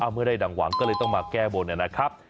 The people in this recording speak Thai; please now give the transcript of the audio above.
เมื่อได้ดังหวังก็เลยต้องมาแก้บนนะครับ